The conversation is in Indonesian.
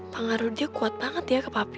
pengaruh dia kuat banget ya ke papi